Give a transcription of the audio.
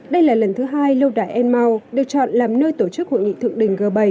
đây là lần thứ hai lâu đài em mau được chọn làm nơi tổ chức hội nghị thượng đỉnh g bảy